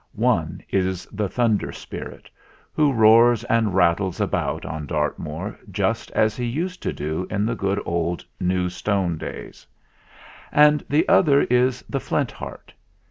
One is the Thunder Spirit, who roars and rattles about on Dartmoor just as he used to do in the good old New Stone days; and the other is the Flint Heart.